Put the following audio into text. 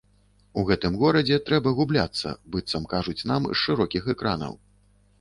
У гэтым горадзе трэба губляцца, быццам кажуць нам з шырокіх экранаў.